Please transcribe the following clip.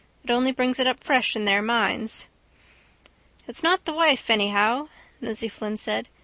It only brings it up fresh in their minds. —It's not the wife anyhow, Nosey Flynn said.